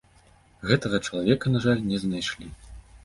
Гэтага чалавека, на жаль, не знайшлі.